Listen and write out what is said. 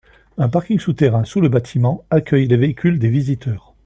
Un parking souterrain sous le bâtiment accueille les véhicules des visiteurs.